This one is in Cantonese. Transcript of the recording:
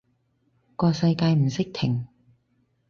個世界唔識停